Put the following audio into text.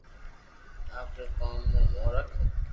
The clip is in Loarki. آپري ڪوم مون موم رک